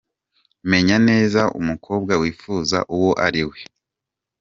Menya neza umukobwa wifuza uwo ari we.